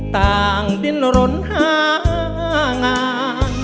ต่างดินร้นห้างาน